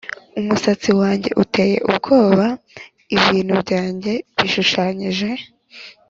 umusatsi wanjye uteye ubwoba, ibintu byanjye bishushanyije